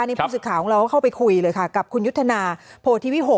นี่ผู้สื่อข่าวของเราเข้าไปคุยเลยค่ะกับคุณยุทธนาโพธิวิโห